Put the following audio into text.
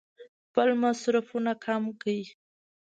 خپل مصرفونه کم کړي.